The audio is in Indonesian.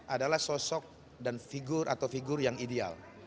adalah sosok dan figur atau figur yang ideal